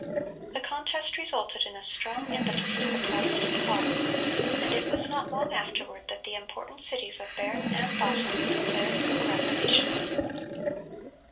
The contest resulted in a strong impetus to the Protestant cause, and it was not long afterward that the important cities of Bern and Basel declared for the Reformation.